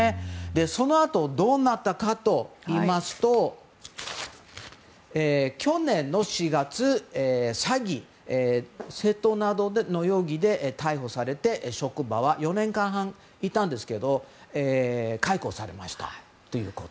そのあと、どうなったかというと去年の４月、詐欺・窃盗などの容疑で逮捕されて職場は４年半いたんですけど解雇されました。